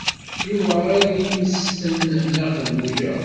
Yuba ad immesten Nna Xelluǧa.